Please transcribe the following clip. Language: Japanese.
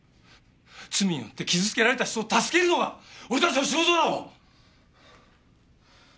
罪によって傷つけられた人を助けるのが俺たちの仕事だろ！？